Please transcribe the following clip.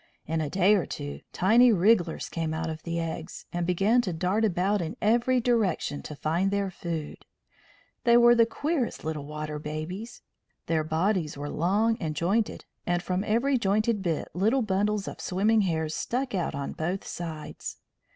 In a day or two tiny wrigglers came out of the eggs, and began to dart about in every direction to find their food. They were the queerest little water babies! Their bodies were long and jointed, and from every jointed bit little bundles of swimming hairs stuck out on both sides.